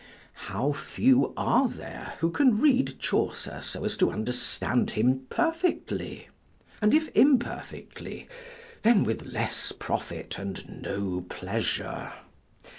How few are there who can read Chaucer so as to understand him perfectly! And if imperfectly, then with less profit and no pleasure.